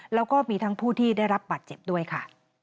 แล้วก็มีทั้งผู้ที่ได้รับบาดเจ็บด้วยค่ะ